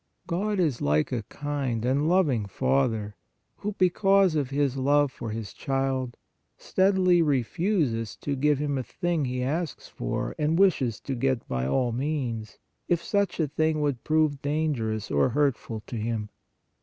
God is like a kind and loving father, who because of his love for his child, steadily re fuses to give him a thing he asks for and wishes to get by all means, if such a thing would prove dangerous or hurtful to him.